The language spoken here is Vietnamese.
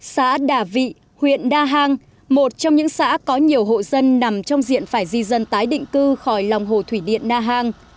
xã đà vị huyện đa hàng một trong những xã có nhiều hộ dân nằm trong diện phải di dân tái định cư khỏi lòng hồ thủy điện na hàng